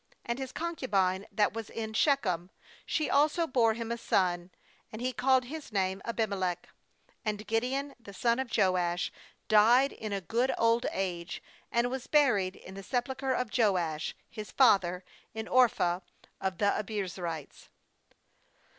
31And his concubine that was in Shechem, she also bore him a son, and he called his name Abimelech. ^And Gideon the son of Joash died in a good old age, and was buried in the sepulchre of Joash his father, in Ophrah of the Abiezrites.